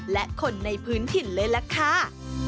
และคนในพื้นถิ่นเลยล่ะค่ะ